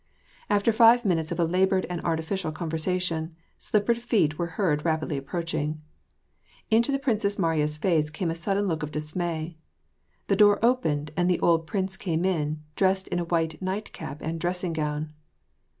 After five minutes of a labored and artificial conversation, slippered feet were heard rapidly approaching. Into the Princess Mariya's face came a sudden look of dismay. The door opened, and the old prince came in, dressed in a white night^p and dressing gown.